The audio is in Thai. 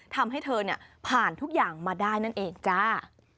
ทำให้เธอผ่านทุกอย่างมาได้นั่นเองจ้า